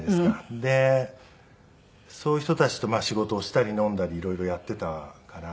でそういう人たちとまあ仕事をしたり飲んだり色々やっていたから。